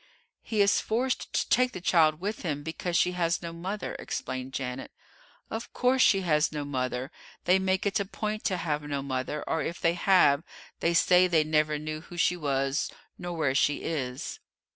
"He is forced to take the child with him, because she has no mother," explained Janet. "Of course she has no mother; they make it a point to have no mother, or, if they have, they say they never knew who she was nor where she is."